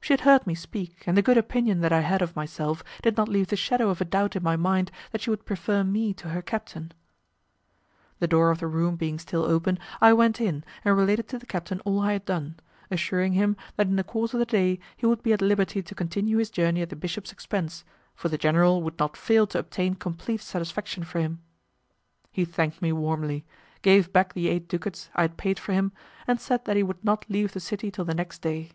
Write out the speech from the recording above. She had heard me speak, and the good opinion that I had of myself did not leave the shadow of a doubt in my mind that she would prefer me to her captain. The door of the room being still open, I went in and related to the captain all I had done, assuring him that in the course of the day he would be at liberty to continue his journey at the bishop's expense, for the general would not fail to obtain complete satisfaction for him. He thanked me warmly, gave back the eight ducats I had paid for him, and said that he would not leave the city till the next day.